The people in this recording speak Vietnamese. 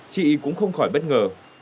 chị cũng không khỏi bất ngờ